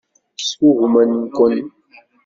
Sgugmen-ken.